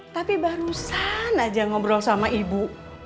tapi barusan aja ngobrol sama ibu